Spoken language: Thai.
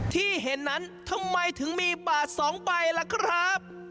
ที่เห็นนั้นทำไมถึงมีบาท๒ใบล่ะครับ